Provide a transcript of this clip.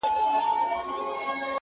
مجبوره ته مه وايه چي غښتلې.